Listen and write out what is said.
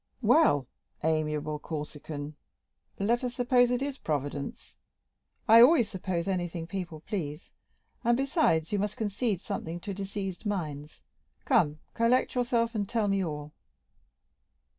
"Well, amiable Corsican, let us suppose it is Providence. I always suppose anything people please, and, besides, you must concede something to diseased minds. Come, collect yourself, and tell me all."